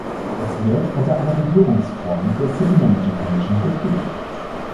Es wird unter einer Regierungsform der City Manager-Commission betrieben.